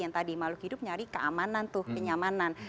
yang tadi makhluk hidup nyari keamanan tuh kenyamanan